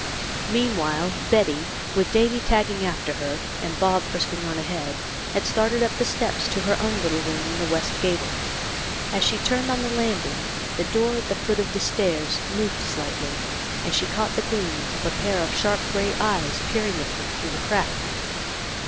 Meanwhile, Betty, with Davy tagging after her, and Bob frisking on ahead, had started up the steps to her own little room in the west gable. As she turned on the landing, the door at the foot of the 40 THE LITTLE COLONEL'S HOLIDAYS. stairs moved slightly, and she caught the gleam of a pair of sharp gray eyes peering at her through the crack.